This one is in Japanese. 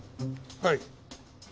はい。